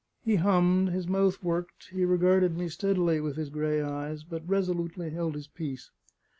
He hummed, his mouth worked, he regarded me steadily with his gray eyes, but resolutely held his peace.